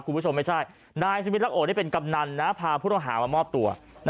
คุณผู้ชมไม่ใช่นายสมิทรักโอนี่เป็นกำนันพาผู้ต้องหามามอบตัว